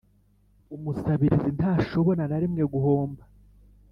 umusabirizi ntashobora na rimwe guhomba.